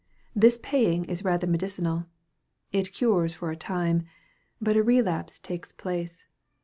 This paying is rather medicinal. It cures for a time. But a relapse takes place.